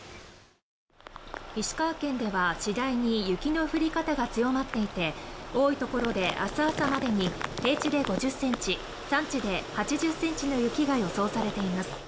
石川県では次第に雪の降り方が強まっていて多いところで明日朝までに平地で５０センチ山地で８０センチの雪が予想されています